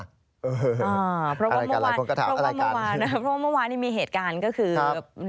เอออะไรกันอะไรกันอะไรกันอะไรกันพรุ่งนี้มีเหตุการณ์ก็คืออะไรกัน